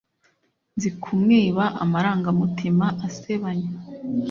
nzi kumwiba amarangamutima asebanya